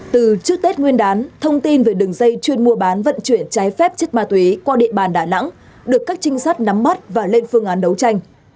từ trước tết nguyên đán thông tin về đường dây chuyên mua bán vận chuyển trái phép chất ma túy qua địa bàn đà nẵng được các trinh sát nắm bắt và lên phương án đấu tranh